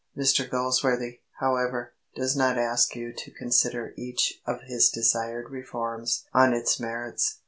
Mr Galsworthy, however, does not ask you to consider each of his desired reforms on its merits.